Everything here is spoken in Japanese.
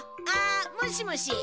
あもしもし